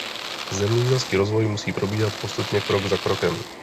Zemědělský rozvoj musí probíhat postupně, krok za krokem.